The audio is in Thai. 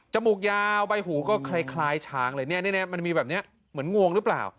มูกยาวใบหูก็คล้ายช้างเลยเนี่ยมันมีแบบนี้เหมือนงวงหรือเปล่า